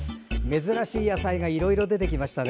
珍しい野菜がいろいろ出てきましたね。